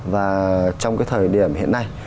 và trong cái thời điểm hiện nay